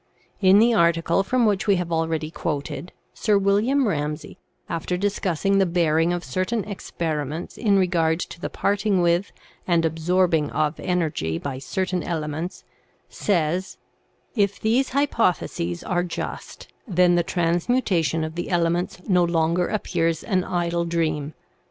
In the article from which we have already quoted, Sir William Ramsay, after discussing the bearing of certain experiments in re gard to the parting with and absorbing of energy by cer tain elements, says: "If these hypotheses are just, then the transmutation of the elements no longer appears an idle dream.